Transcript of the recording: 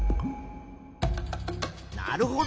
なるほど。